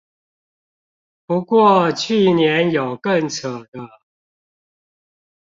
不過去年有更扯的